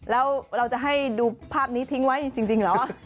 แล้วเราจะให้ดูภาพนี้ทิ้งไว้จริงเหรอ